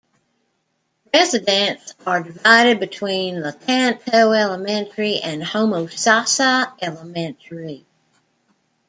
Residents are divided between Lecanto Elementary and Homosassa Elementary.